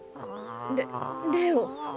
レレオ。